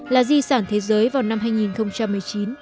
là di sản thế giới vào năm hai nghìn một mươi chín